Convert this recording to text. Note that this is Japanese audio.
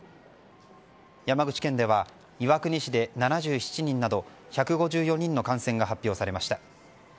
山口県では岩国市で７７人など１５４人の感染が発表されました。